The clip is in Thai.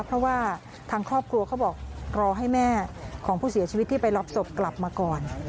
เพราะว่าทางครอบครัวเขาบอกรอให้แม่ของผู้เสียชีวิตที่ไปรับศพกลับมาก่อน